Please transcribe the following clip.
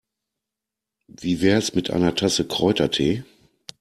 Wie wär's mit einer Tasse Kräutertee?